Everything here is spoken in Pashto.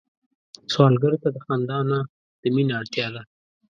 سوالګر ته د خندا نه، د مينه اړتيا ده